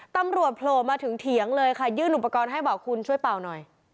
โผล่มาถึงเถียงเลยค่ะยื่นอุปกรณ์ให้บอกคุณช่วยเป่าหน่อย